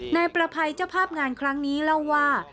นายประภัยเจ้าภาพงานครั้งนี้เล่าว่า